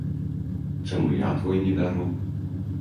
Чаму я твой не бяру?